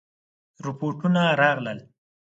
رپوټونه راغلل.